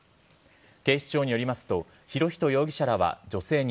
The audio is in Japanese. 警視庁によりますと、博仁容疑者らは女性に、